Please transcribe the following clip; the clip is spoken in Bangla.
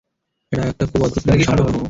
এটা একটা খুব অদ্ভুত প্রেমের সম্পর্ক।